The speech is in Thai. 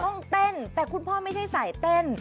ต้องเต้นแต่คุณพ่อไม่ใช่สายเต้น